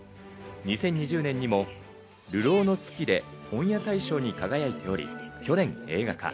２０２０年にも『流浪の月』で本屋大賞に輝いており、去年、映画化。